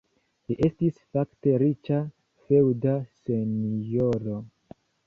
Li estis fakte riĉa feŭda senjoro.